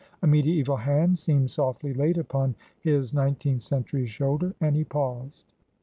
A mediaeval hand seemed softly laid upon his nineteenth century shoulder, and he paused.